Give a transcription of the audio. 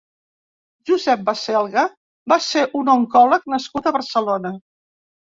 Josep Baselga va ser un oncòleg nascut a Barcelona.